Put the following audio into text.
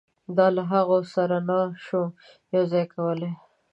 دا له هغوی سره نه شو یو ځای کولای.